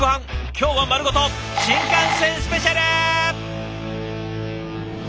今日はまるごと新幹線スペシャル！